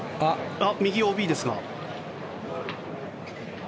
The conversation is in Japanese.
右、ＯＢですが。